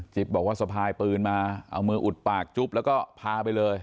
บอกว่าสะพายปืนมาเอามืออุดปากจุ๊บแล้วก็พาไปเลย